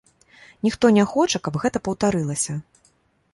Ніхто не хоча, каб гэта паўтарылася.